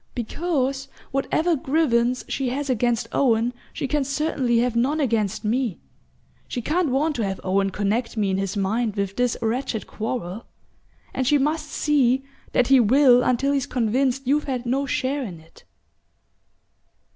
"Because, whatever grievance she has against Owen, she can certainly have none against me. She can't want to have Owen connect me in his mind with this wretched quarrel; and she must see that he will until he's convinced you've had no share in it."